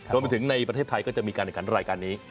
โดดมิถึงในประเทศไทยก็จะมีการณญการรายการนี้